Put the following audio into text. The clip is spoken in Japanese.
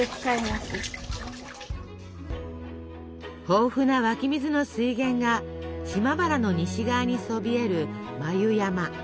豊富な湧き水の水源が島原の西側にそびえる眉山。